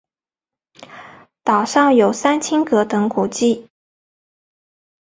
岛上有三清阁等古迹。